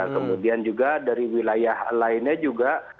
kemudian juga dari wilayah lainnya juga